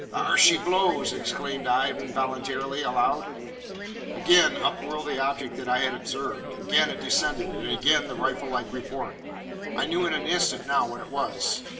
"There she blows!" exclaimed I, involuntarily, aloud. Again up whirled the object I had before observed; again it descended, and again came the rifle like report I knew in an instant now what it was.